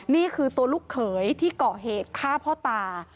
นี่คือตัวลูกเขยที่เกาะเหตุฆ่าพ่อตา